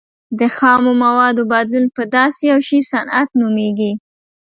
د خامو موادو بدلون په داسې یو شي صنعت نومیږي.